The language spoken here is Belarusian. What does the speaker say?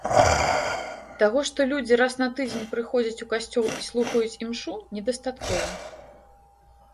Таго, што людзі раз на тыдзень прыходзяць у касцёл і слухаюць імшу, недастаткова.